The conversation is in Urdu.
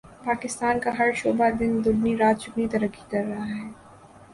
پاکستان کا ہر شعبہ دن دگنی رات چگنی ترقی کر رہا ہے